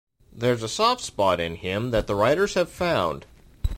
There's a soft spot in him that the writers have found.